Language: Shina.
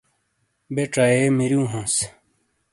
بے چہ یے میرو ہانس